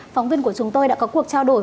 phóng viên của chúng tôi đã có cuộc trao đổi